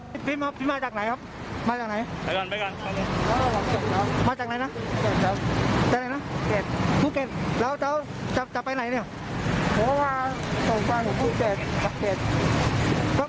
หัวพารส่งพันธุ์สู่ภูเก็ต